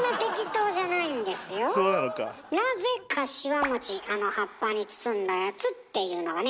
なぜかしわあの葉っぱに包んだやつっていうのがね